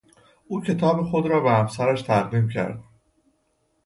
او کتاب خود را به همسرش تقدیم کرد.